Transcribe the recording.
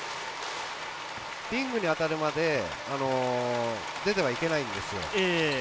リングに当たるまで出てはいけないんですよ。